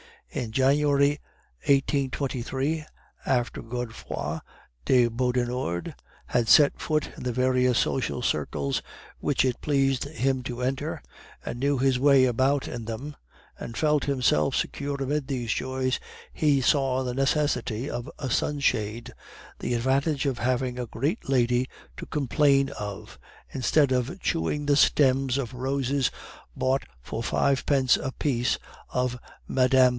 "In January 1823, after Godefroid de Beaudenord had set foot in the various social circles which it pleased him to enter, and knew his way about in them, and felt himself secure amid these joys, he saw the necessity of a sunshade the advantage of having a great lady to complain of, instead of chewing the stems of roses bought for fivepence apiece of Mme.